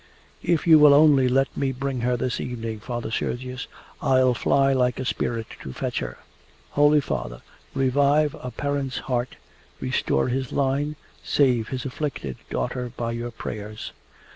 If you will only let me bring her this evening, Father Sergius, I'll fly like a spirit to fetch her. Holy Father! Revive a parent's heart, restore his line, save his afflicted daughter by your prayers!